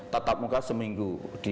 tetap muka seminggu